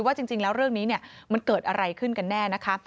ว่าจริงแล้วเรื่องนี้มันเกิดอะไรขึ้นกันแน่นะคะ